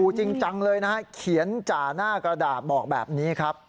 จริงจังเลยนะฮะเขียนจ่าหน้ากระดาษบอกแบบนี้ครับ